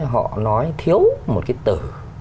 họ nói thiếu một cái tử